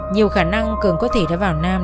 nhiều khả năng cường có thể đã vào nam